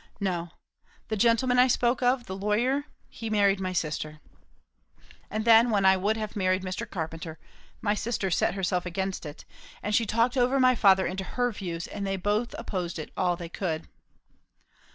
"No. The gentleman I spoke of, the lawyer, he married my sister. And then, when I would have married Mr. Carpenter, my sister set herself against it, and she talked over my father into her views, and they both opposed it all they could."